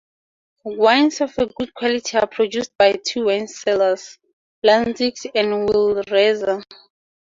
Wines of a good quality are produced by two wine cellars, Landzicht and Wilreza.